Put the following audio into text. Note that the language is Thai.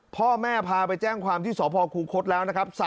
พ่อแม่พาไปแจ้งความที่สพคูคศแล้วนะครับ